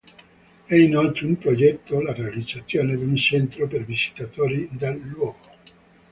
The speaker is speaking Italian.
È inoltre in progetto la realizzazione di un centro per visitatori del luogo.